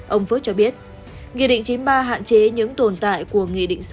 ông phước cho biết nghị định chín mươi ba hạn chế những tồn tại của nghị định sáu mươi